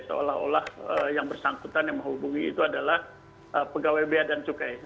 seolah olah yang bersangkutan yang menghubungi itu adalah pegawai bea dan cukai